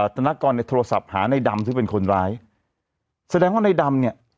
ธนกรในโทรศัพท์หาในดำซึ่งเป็นคนร้ายแสดงว่าในดำเนี่ย